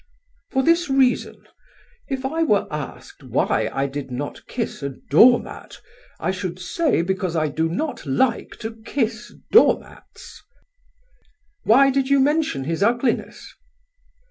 "For this reason. If I were asked why I did not kiss a door mat, I should say because I do not like to kiss door mats."... "Why did you mention his ugliness?"